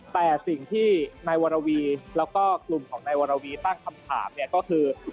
แต่สิ่งที่นายวรวีแล้วก็กลุ่มของนายวรวีตั้งคำถามเนี่ยก็คือ